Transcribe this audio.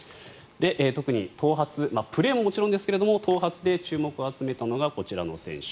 特に、プレーもそうですが頭髪で注目を集めたのがこちらの選手。